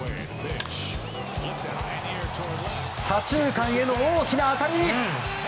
左中間への大きな当たり！